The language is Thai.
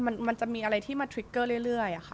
มันจะมีอะไรที่มาทริกเกอร์เรื่อยค่ะ